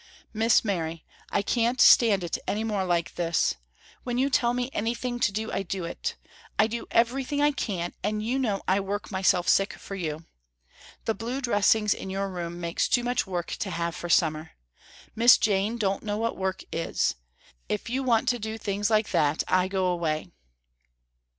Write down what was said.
"Miss Mary, I can't stand it any more like this. When you tell me anything to do, I do it. I do everything I can and you know I work myself sick for you. The blue dressings in your room makes too much work to have for summer. Miss Jane don't know what work is. If you want to do things like that I go away."